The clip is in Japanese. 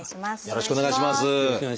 よろしくお願いします。